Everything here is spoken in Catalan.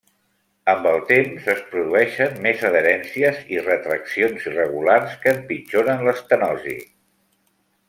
Amb el temps, es produeixen més adherències i retraccions irregulars que empitjoren l'estenosi.